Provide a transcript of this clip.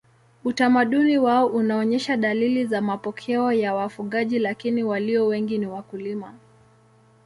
Utamaduni wao unaonyesha dalili za mapokeo ya wafugaji lakini walio wengi ni wakulima.